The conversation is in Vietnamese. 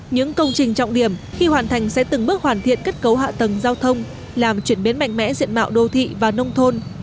những công trình trọng điểm khi hoàn thành sẽ từng bước hoàn thiện kết cấu hạ tầng giao thông làm chuyển biến mạnh mẽ diện mạo đô thị và nông thôn